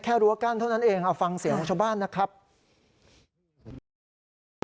รั้วกั้นเท่านั้นเองเอาฟังเสียงของชาวบ้านนะครับ